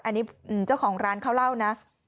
อันนี้เจ้าของร้านเขาเล่านะ